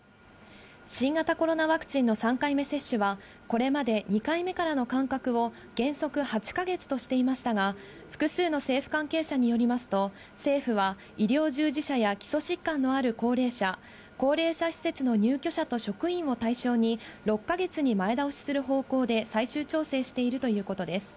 新型コロナワクチンの３回目接種は、これまで２回目からの間隔を、原則８か月としていましたが、複数の政府関係者によりますと、政府は医療従事者や基礎疾患のある高齢者、高齢者施設の入居者と職員を対象に、６か月に前倒しする方向で最終調整しているということです。